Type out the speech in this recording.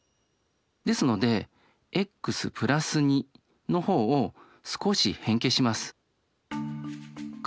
ですのでｘ＋２の方を少し変形します。